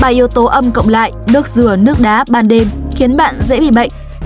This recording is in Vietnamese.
ba yếu tố âm cộng lại nước dừa nước đá ban đêm khiến bạn dễ bị bệnh